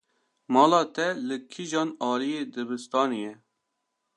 Mala te li kîjan aliyê dibistanê ye?